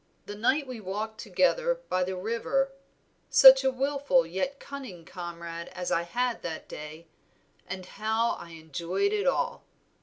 "The night we walked together by the river such a wilful yet winning comrade as I had that day, and how I enjoyed it all!